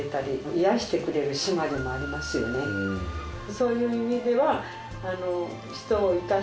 そういう意味では。